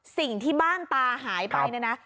สิ่งที่บ้านตาหายไปเนี่ยนะ